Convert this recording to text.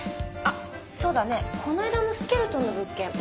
あっそうだねぇこの間のスケルトンの物件